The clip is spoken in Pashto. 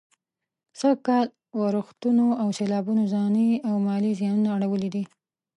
سږ کال ورښتونو او سېلابونو ځاني او مالي زيانونه اړولي دي.